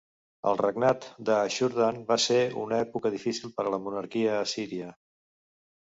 El regnat d'Ashur-dan va ser una època difícil per a la monarquia assíria.